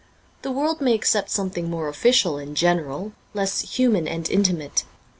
The world may accept something more official and general, less human and intimate.